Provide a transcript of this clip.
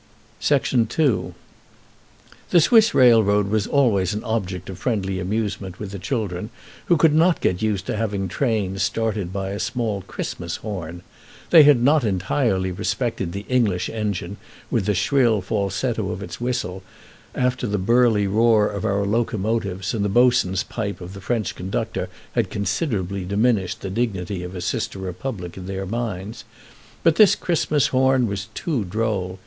II The Swiss railroad was always an object of friendly amusement with the children, who could not get used to having the trains started by a small Christmas horn. They had not entirely respected the English engine, with the shrill falsetto of its whistle, after the burly roar of our locomotives; and the boatswain's pipe of the French conductor had considerably diminished the dignity of a sister republic in their minds; but this Christmas horn was too droll.